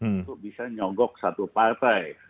untuk bisa nyogok satu partai